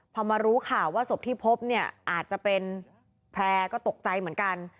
พอมารู้ข่าวว่าศพที่พบเนี่ยอาจจะเป็นแพร่ก็ตกใจเหมือนกัน